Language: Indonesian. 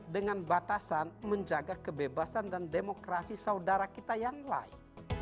dengan batasan menjaga kebebasan dan demokrasi saudara kita yang lain